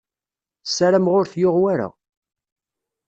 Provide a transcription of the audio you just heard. Ssarameɣ ur t-yuɣ wara.